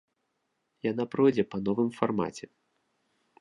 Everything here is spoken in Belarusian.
Яна пройдзе па новым фармаце.